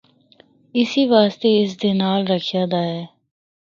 اسی واسطے اس دا اے ناں رکھیا دا ہے۔